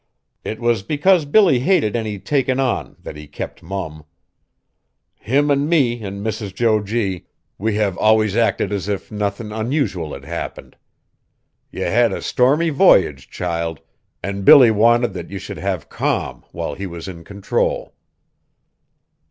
"It was because Billy hated any takin' on that he kept mum. Him an' me an' Mrs. Jo G. we have always acted as if nothin' unusual had happened. Ye had a stormy voyage, child, an' Billy wanted that ye should have calm, while he was in control."